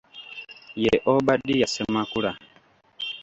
Ye Obadiah Ssemakula.